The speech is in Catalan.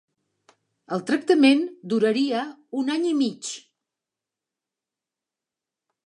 El tractament duraria un any i mig.